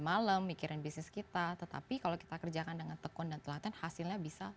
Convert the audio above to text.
malam mikirin bisnis kita tetapi kalau kita kerjakan dengan tekun dan telaten hasilnya bisa